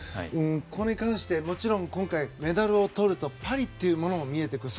ここに関してもちろん、今回メダルをとるとパリというものも見えてくる。